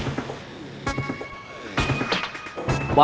bapak pertaruhkan pekerjaan bapak